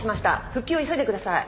復旧を急いでください。